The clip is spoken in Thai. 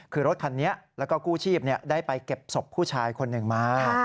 คือรถคันนี้แล้วก็กู้ชีพได้ไปเก็บศพผู้ชายคนหนึ่งมา